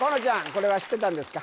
これは知ってたんですか？